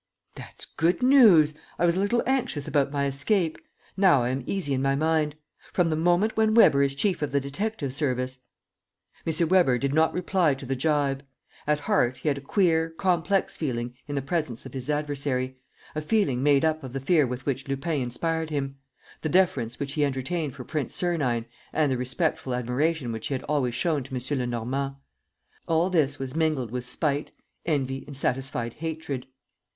"That's good news! I was a little anxious about my escape. Now I am easy in my mind. From the moment when Weber is chief of the detective service ...!" M. Weber did not reply to the gibe. At heart, he had a queer, complex feeling in the presence of his adversary, a feeling made up of the fear with which Lupin inspired him, the deference which he entertained for Prince Sernine and the respectful admiration which he had always shown to M. Lenormand. All this was mingled with spite, envy and satisfied hatred.